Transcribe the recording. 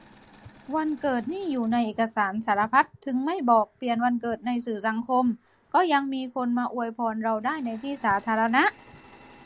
วันเกิดนี่อยู่ในเอกสารสารพัด ถึงไม่บอก-เปลี่ยนวันเกิดในสื่อสังคม ก็ยังมีคนมาอวยพรเราได้ในที่สาธารณะ